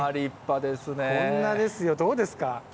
こんなですよ、どうですか。